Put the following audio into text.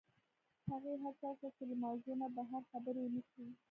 هغې هڅه وکړه چې له موضوع نه بهر خبرې ونه کړي